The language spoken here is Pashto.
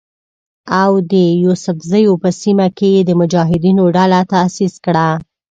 او د یوسفزیو په سیمه کې یې د مجاهدینو ډله تاسیس کړه.